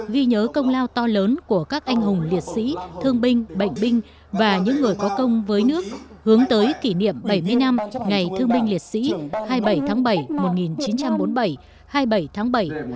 ghi nhớ công lao to lớn của các anh hùng liệt sĩ thương binh bệnh binh và những người có công với nước hướng tới kỷ niệm bảy mươi năm ngày thương binh liệt sĩ hai mươi bảy tháng bảy một nghìn chín trăm bốn mươi bảy hai mươi bảy tháng bảy